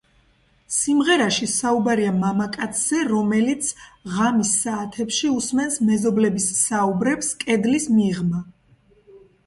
სიმღერაში საუბარია მამაკაცზე, რომელიც ღამის საათებში უსმენს მეზობლების საუბრებს კედლის მიღმა.